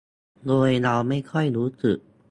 โดยเราไม่ค่อยรู้สึก